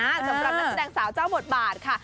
สำหรับนักแสดงสาวเจ้าบทบาทค่ะ